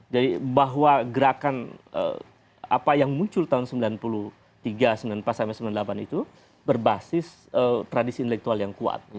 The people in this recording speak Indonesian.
jadi bahwa gerakan apa yang muncul tahun sembilan puluh tiga sembilan puluh empat sampai sembilan puluh delapan itu berbasis tradisi intelektual yang kuat